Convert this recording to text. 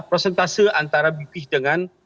prosentase antara bp dengan